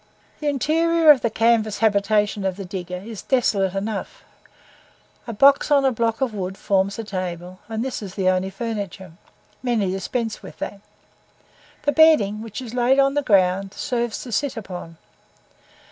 The interior of the canvas habitation of the digger is desolate enough; a box on a block of wood forms a table, and this is the only furniture; many dispense with that. The bedding, which is laid on the ground, serves to sit upon.